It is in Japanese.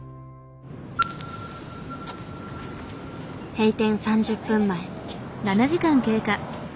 閉店３０分前。